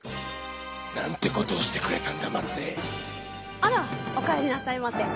あらお帰りなさいませ。